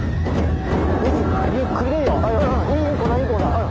あら。